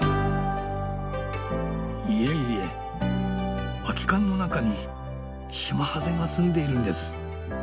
いえいえ空き缶の中にシマハゼが住んでいるんです。